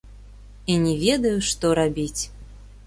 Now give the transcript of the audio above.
І не ведаю, што рабіць.